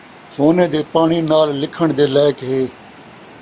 سونے دے پاݨی نال لکھݨ دے لائق ہے